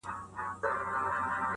پاچا ورغى د خپل بخت هديرې ته.!